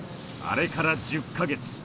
あれから１０か月。